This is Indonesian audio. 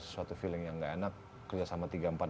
sesuatu feeling yang nggak enak kerja sama